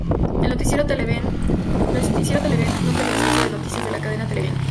El Noticiero Televen, nombre del espacio de noticias de la cadena Televen.